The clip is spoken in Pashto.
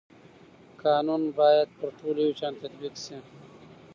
قانون باید پر ټولو یو شان تطبیق شي